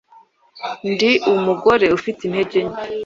Ndi umugore ufite intege nke.